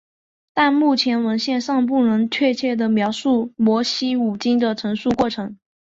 但目前的文献尚不能确切地描述摩西五经的成书过程。